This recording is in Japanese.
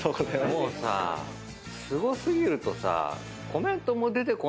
もうさすご過ぎるとさ。